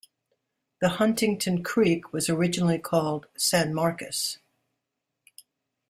The Huntington Creek was originally called San Marcus.